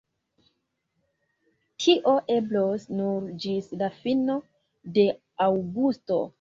Tio eblos nur ĝis la fino de aŭgusto.